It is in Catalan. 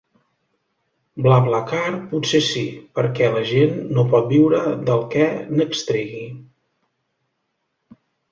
Blablacar potser sí, perquè la gent no pot viure del que n’extregui.